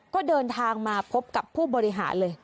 ก็เดินทางมาพบกับผู้บริหารเลย